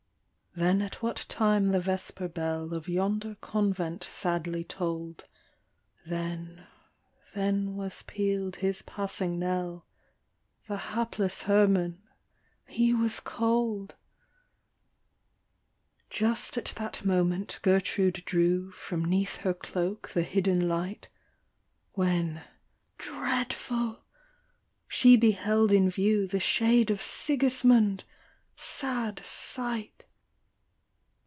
Then at what time the vesper bell Of yonder convent sadly toll'd, Then, then was peal'd his passing knell, The hapless Herman he was cold Just at that moment Gertrude drew From 'neath her cloak the hidden light; When, dreadful ! she beheld in view The shade of Sigismund !— sad sight!